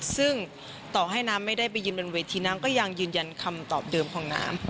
ซึ่งต่อให้น้ำไม่ได้ไปยืนบนเวทีน้ำก็ยังยืนยันคำตอบเดิมของน้ำ